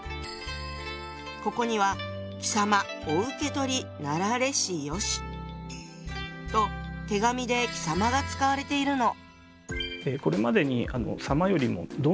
ここには「貴様御受け取りなられしよし」と手紙で「貴様」が使われているの。